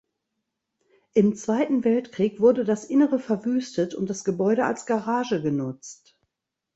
Im Zweiten Weltkrieg wurde das Innere verwüstet und das Gebäude als Garage genutzt.